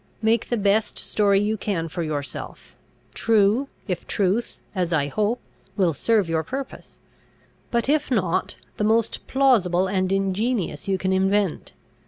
Make the best story you can for yourself true, if truth, as I hope, will serve your purpose; but, if not, the most plausible and ingenious you can invent.